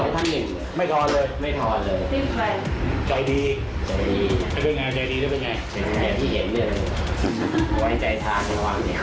เค้ามาขายยังไงพี่